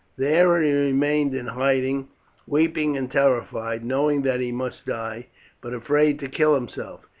There he remained in hiding, weeping and terrified, knowing that he must die, but afraid to kill himself.